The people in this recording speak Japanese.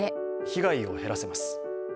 被害を減らせます。